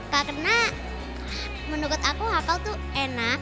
karena menurut aku hakau itu enak